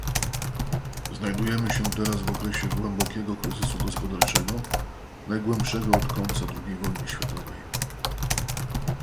Znajdujemy się teraz w okresie głębokiego kryzysu gospodarczego, najgłębszego od końca drugiej wojny światowej